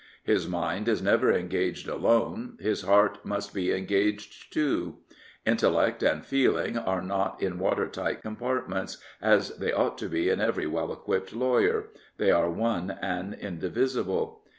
His mind is never engaged alone; his heart must be engaged too. In tellect and feeling are not in watertight compartments, as they ought to be in every well equipped lawyer; they are one and indivisible.